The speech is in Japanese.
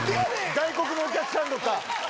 外国のお客さんとか。